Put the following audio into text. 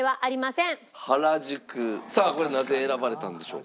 さあこれはなぜ選ばれたんでしょう？